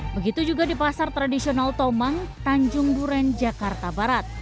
begitu juga di pasar tradisional tomang tanjung duren jakarta barat